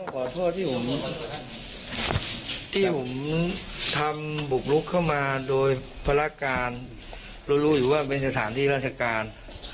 ขอโทษที่ผมที่ผมทำบุกลุกเข้ามาโดยภารการรู้อยู่ว่าเป็นสถานที่ราชการ